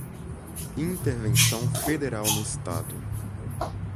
intervenção federal no Estado